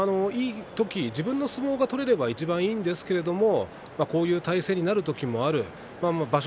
自分の相撲が取れればいいんですけれどこういう対戦になることもある場所